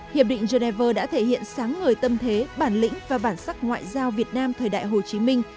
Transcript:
hiệp định geneva đã thể hiện sáng ngời tâm thế bản lĩnh và bản sắc ngoại giao việt nam thời đại hồ chí minh